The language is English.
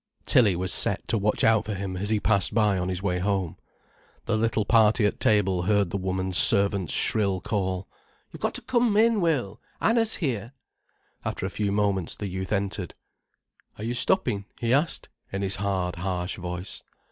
Tilly was set to watch out for him as he passed by on his way home. The little party at table heard the woman's servant's shrill call: "You've got to come in, Will. Anna's here." After a few moments, the youth entered. "Are you stopping?" he asked in his hard, harsh voice.